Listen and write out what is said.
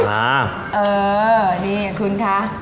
อ่าเออนี่ขอบคุณค่ะ